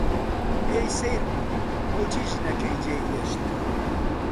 پێی سەیر بوو بۆچی ژنەکەی جێی هێشت.